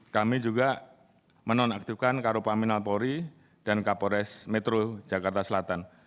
kami juga menonaktifkan karupaminal pori dan kapores metro jakarta selatan